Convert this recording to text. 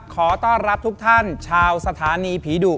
ขอต้อนรับทุกท่านชาวสถานีผีดุ